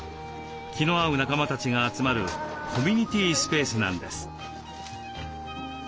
気の合う仲間たちが集まるコミュニティースペースなんです。